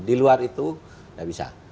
di luar itu tidak bisa